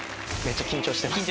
緊張してます。